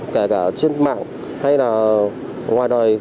kể cả trên mạng hay là ngoài đời